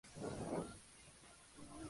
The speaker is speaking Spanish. Su padre es un pastor cristiano.